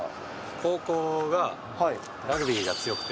高校は、ラグビーが強くて。